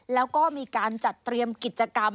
แล้วก็มีการจัดเตรียมกิจกรรม